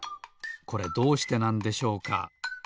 これどうしてなんでしょうか？